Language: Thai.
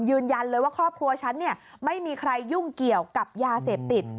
ยืนยันเลยว่าครอบครัวฉันเนี่ยไม่มีใครยุ่งเกี่ยวกับยาเสพติด